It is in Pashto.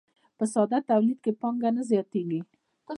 په ساده تولید کې پانګه نه زیاتېږي